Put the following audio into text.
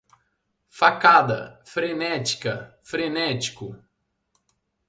Facada, frenética, frenético